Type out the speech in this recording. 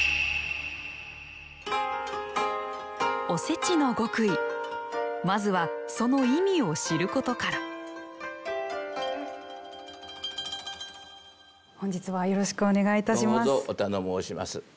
おせちの極意まずはその意味を知ることから本日はよろしくお願いいたします。